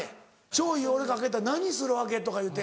醤油俺かけたら「何するわけ？」とか言うて。